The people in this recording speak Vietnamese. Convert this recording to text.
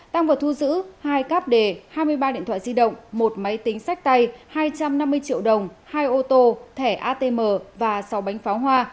tăng vật thu giữ hai cáp đề hai mươi ba điện thoại di động một máy tính sách tay hai trăm năm mươi triệu đồng hai ô tô thẻ atm và sáu bánh pháo hoa